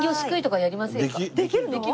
できるの？